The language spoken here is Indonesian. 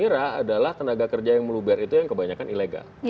konsernya mbak mira adalah tenaga kerja yang melubar itu yang kebanyakan ilegal